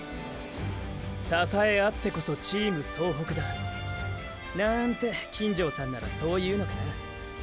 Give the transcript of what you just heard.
支え合ってこそチーム総北だ。なんて金城さんならそう言うのかな。